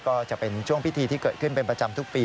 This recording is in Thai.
ก็จะเป็นช่วงพิธีที่เกิดขึ้นเป็นประจำทุกปี